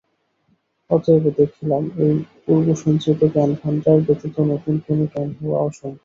অতএব দেখিলাম, এই পূর্বসঞ্চিত জ্ঞানভাণ্ডার ব্যতীত নূতন কোন জ্ঞান হওয়া অসম্ভব।